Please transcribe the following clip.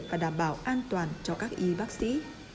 và đảm bảo an toàn cho các y bác sĩ